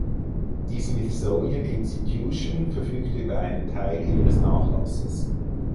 Die Smithsonian Institution verfügt über einen Teil ihres Nachlasses.